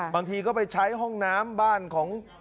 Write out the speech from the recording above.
บางทีก็ไปใช้ห้องน้ำบ้านของ